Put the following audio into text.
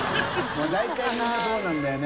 みんなそうなんだよね。